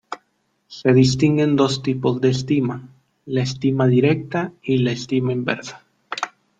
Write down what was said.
Se distinguen dos tipos de estima: la "estima directa" y la "estima inversa".